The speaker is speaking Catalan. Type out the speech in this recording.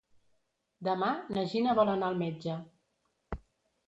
Demà na Gina vol anar al metge.